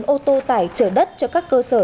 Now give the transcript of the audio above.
bốn ô tô tải chở đất cho các cơ sở